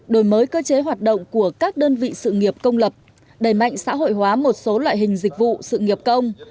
đổi mới cơ chế hoạt động của các đơn vị sự nghiệp công lập đẩy mạnh xã hội hóa một số loại hình dịch vụ sự nghiệp công